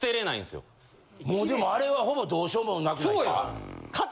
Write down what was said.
もうでもあれはほぼどうしようもなくないか？